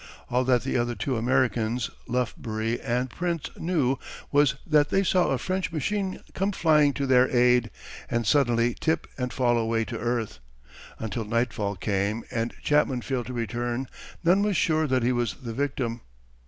All that the other two Americans, Lufbery and Prince, knew was that they saw a French machine come flying to their aid, and suddenly tip and fall away to earth. Until nightfall came and Chapman failed to return none was sure that he was the victim.